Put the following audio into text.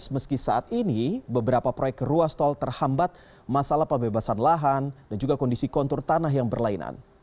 meski saat ini beberapa proyek ruas tol terhambat masalah pembebasan lahan dan juga kondisi kontur tanah yang berlainan